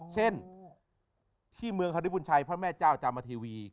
เช่นที่เมืองฮริบุญชัยพระแม่เจ้าจามเทวี